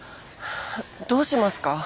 どうしますか？